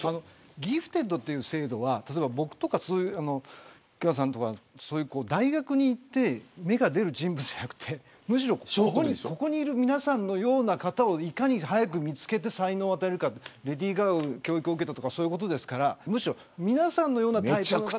ギフテッドという制度は僕とか大学に行って芽が出る人物じゃなくてむしろここにいる皆さんのような方をいかに早く見つけ出して才能を与えるかレディー・ガガが教育を受けたとかそういうことですから、むしろ皆さんのようなタイプの方。